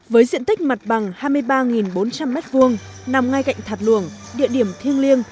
với diện tích mặt bằng hai mươi ba bốn trăm linh m hai nằm ngay cạnh thạt luồng địa điểm thiêng liêng